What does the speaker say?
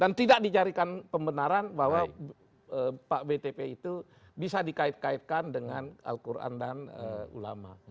dan tidak dicarikan pembenaran bahwa pak btp itu bisa dikait kaitkan dengan al quran dan ulama